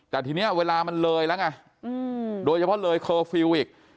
แต่ทีนี้เวลามันเลยแล้วไงโดยเฉพาะเลยเคอร์ฟิลล์อีก